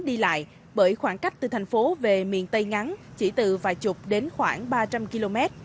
đi lại bởi khoảng cách từ thành phố về miền tây ngắn chỉ từ vài chục đến khoảng ba trăm linh km